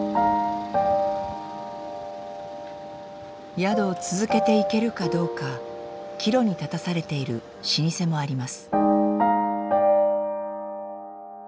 宿を続けていけるかどうか岐路に立たされている老舗もあります。